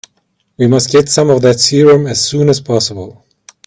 We must get some of that serum as soon as possible.